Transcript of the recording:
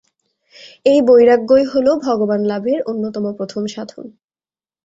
এই বৈরাগ্যই তো হল ভগবানলাভের অন্যতম প্রথম সাধন।